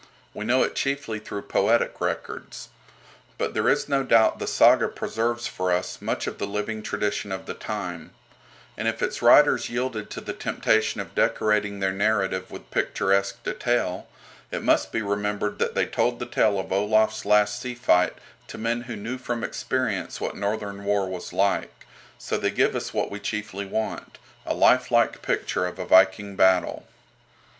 We know it chiefly through poetic records. But there is no doubt the "Saga" preserves for us much of the living tradition of the time, and if its writers yielded to the temptation of decorating their narrative with picturesque detail, it must be remembered that they told the tale of Olaf's last sea fight to men who knew from experience what Northern war was like, so they give us what we chiefly want, a lifelike picture of a Viking battle.